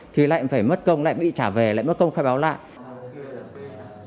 thì lại phải mất công lại bị trả về lại nó công khai báo lại